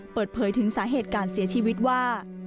เปิดเผยถึงสาเหตุการเสียชีวิตว่า